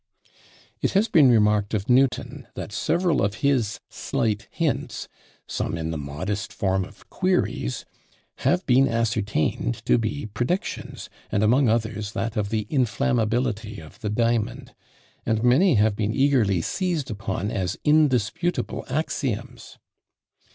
It has been remarked of Newton, that several of his slight hints, some in the modest form of queries, have been ascertained to be predictions, and among others that of the inflammability of the diamond; and many have been eagerly seized upon as indisputable axioms.